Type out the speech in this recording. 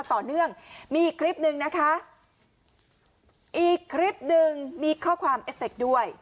ต่อเนื่องมีอีกคลิปหนึ่งนะคะอีกคลิปหนึ่งมีข้อความเอฟเคด้วย